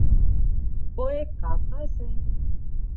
ڪوئي ڪاڪا سي